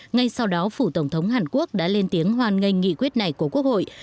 ngay sau đó phủ tổng thống hàn quốc đã lên tiếng hoàn ngành nghị quyết này của quốc hội